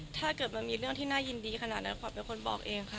ถ้าเกิดมันมีเรื่องที่น่ายินดีขนาดนั้นขวัญเป็นคนบอกเองค่ะ